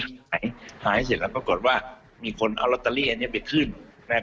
ชิ้นเดียวก็มีมุมแล้ว